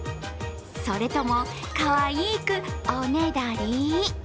それとも、かわいくおねだり？